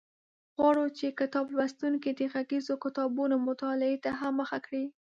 غواړو چې کتاب لوستونکي د غږیزو کتابونو مطالعې ته هم مخه کړي.